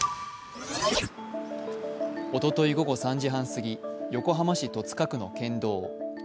おととい午後３時半すぎ、横浜市戸塚区の県道。